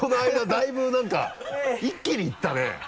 だいぶなんか一気に行ったね。